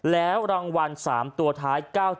แล้วรางวัล๓ตัวท้าย๙๗